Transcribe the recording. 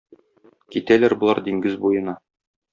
Китәләр болар диңгез буена.